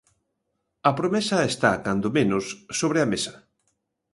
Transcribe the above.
A promesa está, cando menos, sobre a mesa.